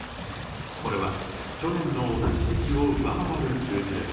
これは去年の同じ時期を上回る数字です。